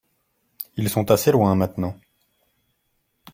Ils sont assez loin maintenant.